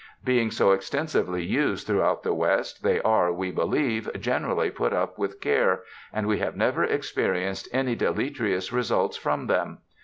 Being so extensively used throughout the West, they are, we believe, generally put up with care, and we have never experienced any deleteri ous results from them.